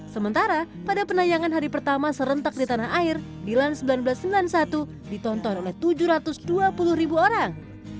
sementara pada penayangan hari pertama serentak di tanah air dilan seribu sembilan ratus sembilan puluh satu ditonton oleh tujuh ratus dua puluh ribu orang